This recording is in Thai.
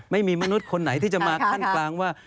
มนุษย์คนไหนที่จะมาขั้นกลางว่า